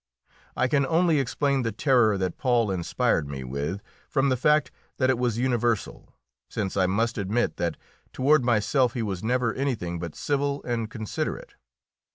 I can only explain the terror that Paul inspired me with from the fact that it was universal, since I must admit that toward myself he was never anything but civil and considerate.